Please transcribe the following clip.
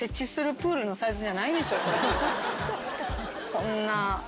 こんな。